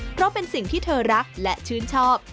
เพราะเป็นสิ่งที่เธอรักและชื่นชอบ